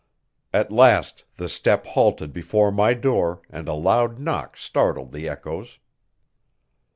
At last the step halted before my door and a loud knock startled the echoes.